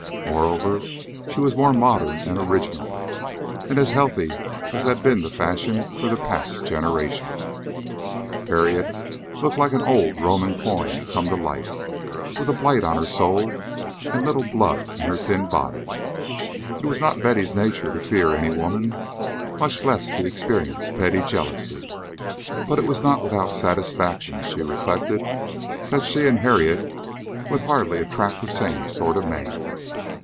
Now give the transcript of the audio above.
Moreover, she was more modern and original, and as healthy as had been the fashion for the past generation, Harriet looked like an old Roman coin come to life, with a blight on her soul and little blood in her thin body. It was not in Betty's nature to fear any woman, much less to experience petty jealousy, but it was not without satisfaction she reflected that she and Harriet would hardly attract the same sort of man.